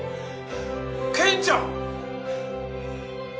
健ちゃん！？